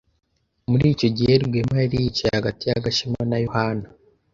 Muri icyo gihe, Rwema yari yicaye hagati ya Gashema na Yohana.